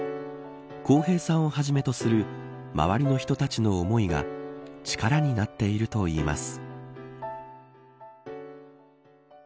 こうへいさんをはじめとする周りの人たちの思いが力になっているといいます。